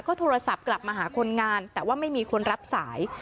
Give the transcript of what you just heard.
ก็โทรศัพท์กลับมาหาคนงานแต่ว่าไม่มีคนรับสาย